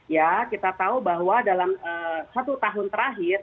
ya kita tahu bahwa dalam satu tahun terakhir